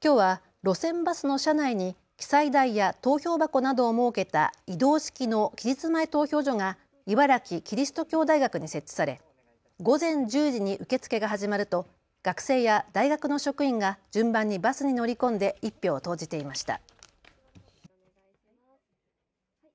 きょうは路線バスの車内に記載台や投票箱などを設けた移動式の期日前投票所が茨城キリスト教大学に設置され午前１０時に受け付けが始まると学生や大学の職員が順番にバスに乗り込んで１票を投じていました。